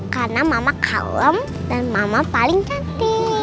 karena mama kalem dan mama paling cantik